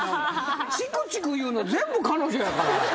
チクチク言うの全部彼女やから。